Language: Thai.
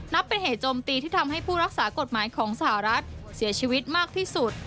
นับเป็นเหตุโจมตีที่ทำให้ผู้รักษากฎหมายของสหรัฐเสียชีวิตมากที่สุด